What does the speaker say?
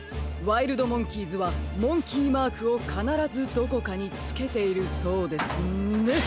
「ワイルドモンキーズ」はモンキーマークをかならずどこかにつけているそうですね！